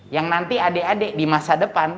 yang nanti adik adik di masa depan